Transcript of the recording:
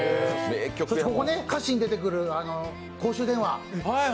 歌詞に出てくる公衆電話。